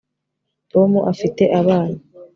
tom afite abana